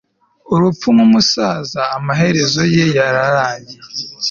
urupfu, nkumusaza amaherezo ye yarangiye